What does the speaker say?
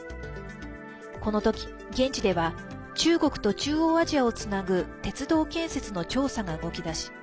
この時、現地では中国と中央アジアをつなぐ鉄道建設の調査が動き出し